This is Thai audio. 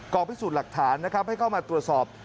พิสูจน์หลักฐานนะครับให้เข้ามาตรวจสอบ